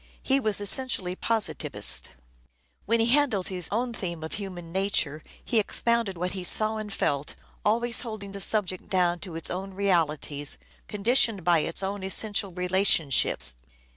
He was essentially positivist. When he handled his own theme of human nature he expounded what he saw and felt, always holding the subject down to its own realities, conditioned by its own essential relationships.